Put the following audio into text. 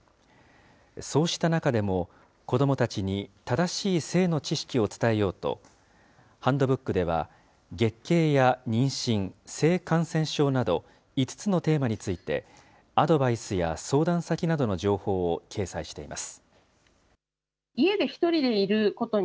そうした中でも、子どもたちに正しい性の知識を伝えようと、ハンドブックでは、月経や妊娠、性感染症など、５つのテーマについて、アドバイスや相談先などの情報を掲載しています。